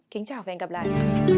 kính chào và hẹn gặp lại